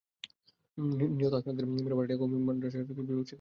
নিহত আছমা আক্তার মীরা ভাটিয়া কওমি মহিলা মাদ্রাসার হাদিস বিভাগের শিক্ষার্থী ছিলেন।